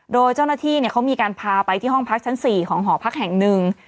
โดยเจ้าหน้าที่เขามีการพาไปที่ห้องพักชั้น๔ของหอพักแห่งหนึ่ง